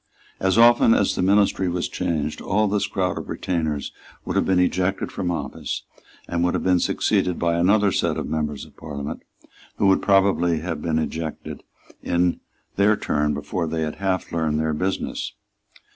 As often as the ministry was changed, all this crowd of retainers would have been ejected from office, and would have been succeeded by another set of members of Parliament who would probably have been ejected in their turn before they had half learned their business.